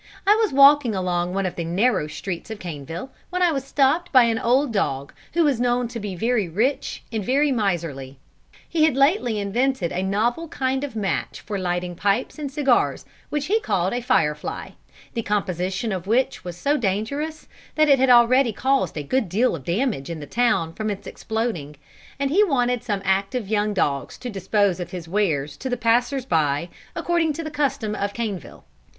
I was walking along one of the narrow streets of Caneville, when I was stopped by an old dog, who was known to be very rich and very miserly. He had lately invented a novel kind of match for lighting pipes and cigars, which he called "a fire fly," the composition of which was so dangerous that it had already caused a good deal of damage in the town from its exploding; and he wanted some active young dogs to dispose of his wares to the passers by according to the custom of Caneville.